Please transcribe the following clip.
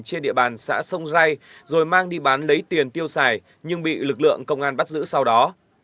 trên địa bàn xã sông rai rồi mang đi bán lấy tiền tiêu xài nhưng bị lực lượng công an bắt giữ sau đó